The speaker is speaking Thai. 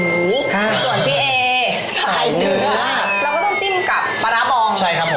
ส่วนพี่เอสายเนื้อเราก็ต้องจิ้มกับปลาร่าบอง